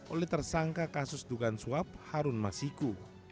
oleh tersangka kasus dugaan suap harun masiku